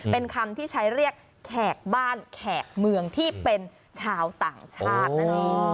เป็นคำที่ใช้เรียกแขกบ้านแขกเมืองที่เป็นชาวต่างชาตินั่นเอง